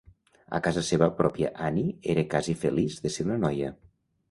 A la seva casa pròpia Annie era casi feliç de ser una noia.